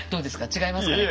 違いますかねこれ。